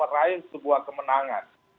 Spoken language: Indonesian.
raih sebuah kemenangan